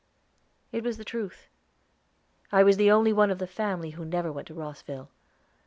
It was the truth. I was the only one of the family who never went to Rosville.